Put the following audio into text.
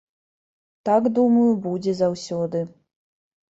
Так, думаю, будзе заўсёды.